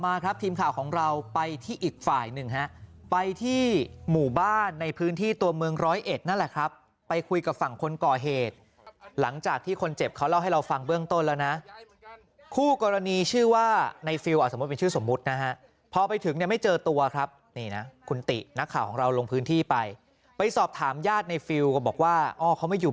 ครับทีมข่าวของเราไปที่อีกฝ่ายหนึ่งฮะไปที่หมู่บ้านในพื้นที่ตัวเมืองร้อยเอ็ดนั่นแหละครับไปคุยกับฝั่งคนก่อเหตุหลังจากที่คนเจ็บเขาเล่าให้เราฟังเบื้องต้นแล้วนะคู่กรณีชื่อว่าในฟิลอ่ะสมมุติเป็นชื่อสมมุตินะฮะพอไปถึงเนี่ยไม่เจอตัวครับนี่นะคุณตินักข่าวของเราลงพื้นที่ไปไปสอบถามญาติในฟิลก็บอกว่าอ้อเขาไม่อยู่